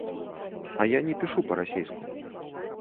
А я не пішу па-расейску.